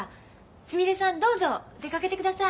すみれさんどうぞ出かけてください。